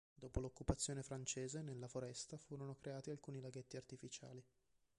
Dopo l'occupazione francese, nella foresta, furono creati alcuni laghetti artificiali.